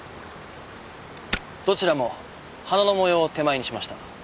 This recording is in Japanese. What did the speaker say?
どちらも花の模様を手前にしました。